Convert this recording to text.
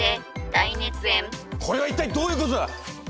これは一体どういうことだ！？